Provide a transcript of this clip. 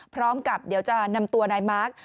พร้อมกับเดี๋ยวจะนำตัวนายมาร์ค